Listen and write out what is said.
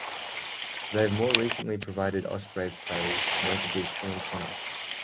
They have more recently provided Ospreys players, notably Shaun Connor.